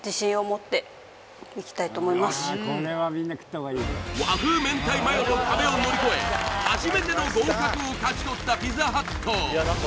ちょっと和風明太マヨの壁を乗り越え初めての合格を勝ち取ったピザハット